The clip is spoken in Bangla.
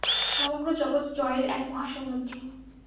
সমগ্র জগৎ জড়ের এক মহাসমুদ্র।